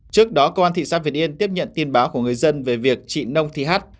trước đó công an thị xã việt yên tiếp nhận tin báo của người dân về việc chị nông thị hắt